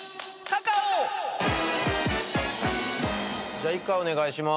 じゃあ１回お願いします。